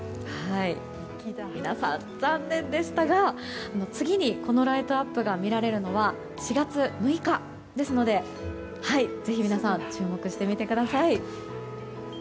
皆さん、残念でしたが次にこのライトアップが見られるのは４月６日ですのでぜひ皆さん注目してみてください。